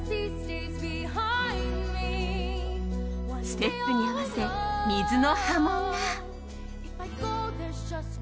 ステップに合わせ、水の波紋が。